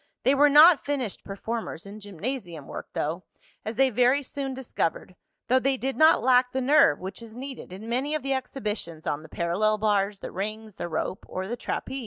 They were not finished performers in gymnasium work, though, as they very soon discovered, though they did not lack the nerve, which is needed in many of the exhibitions on the parallel bars, the rings, the rope, or the trapeze.